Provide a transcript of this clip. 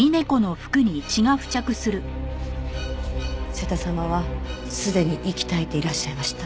瀬田様はすでに息絶えていらっしゃいました。